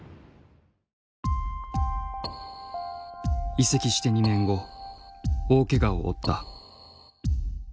移籍して２年後大けがを負った。